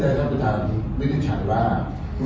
คำว่าขณะการดนท์ที่ค่าทำ๓๕คณะ